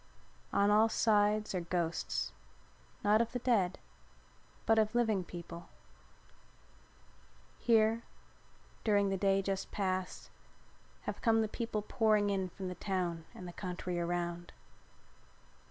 On all sides are ghosts, not of the dead, but of living people. Here, during the day just passed, have come the people pouring in from the town and the country around.